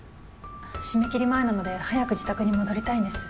締め切り前なので早く自宅に戻りたいんです。